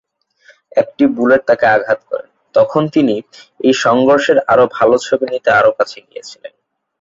একটি বুলেট তাকে আঘাত করে তখন তিনি এই সংঘর্ষের আরও ভাল ছবি নিতে আরও কাছে গিয়েছিলেন।